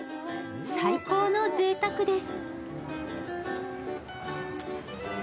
最高のぜいたくです。